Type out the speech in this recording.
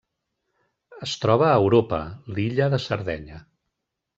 Es troba a Europa: l'illa de Sardenya.